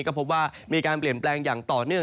ก็พบว่ามีการเปลี่ยนแปลงอย่างต่อเนื่อง